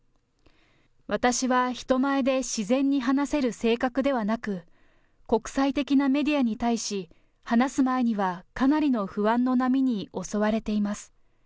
私は人前で自然に話せる性格ではなく、国際的なメディアに対し、話す前にはかなりの不安の波に襲われています。